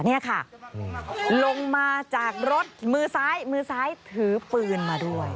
นี่ค่ะลงมาจากรถมือซ้ายมือซ้ายถือปืนมาด้วย